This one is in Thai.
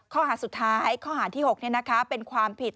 ข้อหาสุดท้ายข้อหาที่๖เป็นความผิด